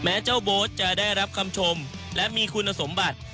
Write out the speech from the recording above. เจ้าโบ๊ทจะได้รับคำชมและมีคุณสมบัติ